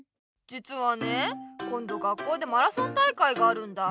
じつはねこんど学校でマラソン大会があるんだ。